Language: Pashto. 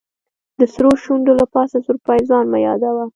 د سرو شونډو له پاسه سور پېزوان مه یادوه.